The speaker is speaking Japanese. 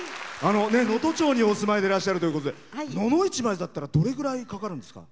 能登町にお住まいでいらっしゃるということで野々市まではどのくらいかかるんですか？